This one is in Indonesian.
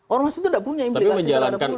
ormas itu tidak punya implikasi terhadap politik